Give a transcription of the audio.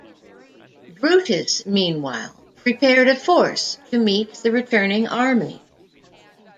Brutus, meanwhile, prepared a force to meet the returning army.